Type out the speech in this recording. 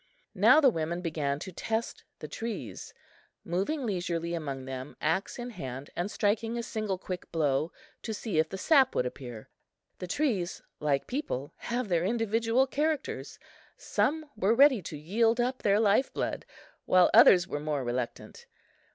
Now the women began to test the trees moving leisurely among them, axe in hand, and striking a single quick blow, to see if the sap would appear. The trees, like people, have their individual characters; some were ready to yield up their life blood, while others were more reluctant.